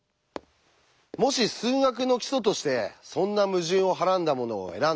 もし数学の基礎としてそんな矛盾をはらんだものを選んでしまったら。